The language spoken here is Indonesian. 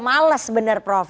malas benar prof